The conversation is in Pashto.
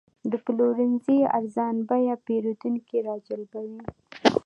د پلورنځي ارزانه بیې پیرودونکي راجلبوي.